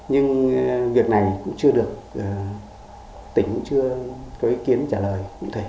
nhưng việc này cũng chưa được tỉnh cũng chưa có ý kiến trả lời